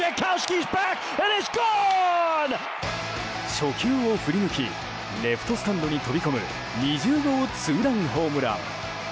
初球を振り抜きレフトスタンドに飛び込む２０号ツーランホームラン！